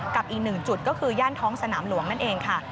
กับอีกหนึ่งจุดก็คือย่านท้องสนามหลวงนั่นเองค่ะ